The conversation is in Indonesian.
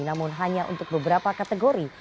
namun hanya untuk beberapa kategori